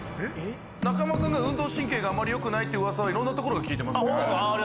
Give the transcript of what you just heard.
中間君が運動神経があまりよくないってうわさは色んなところで聞いてましてあっ